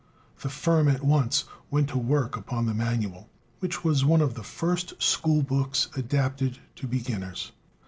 The firm at once went to work upon the manual, which was one of the first school books adapted to beginners.